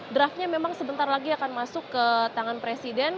draftnya memang sebentar lagi akan masuk ke tangan presiden